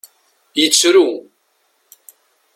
Yettru.